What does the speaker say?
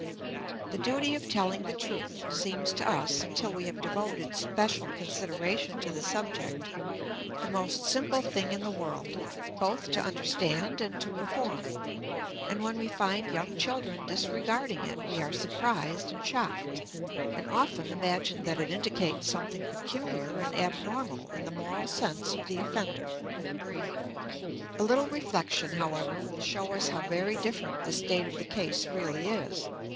The duty of telling the truth seems to us, until we have devoted special consideration to the subject, the most simple thing in the world, both to understand and to perform; and when we find young children disregarding it we are surprised and shocked, and often imagine that it indicates something peculiar and abnormal in the moral sense of the offender. A little reflection, however, will show us how very different the state of the case really is.